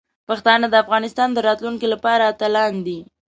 پښتانه د افغانستان د راتلونکي لپاره اتلان دي.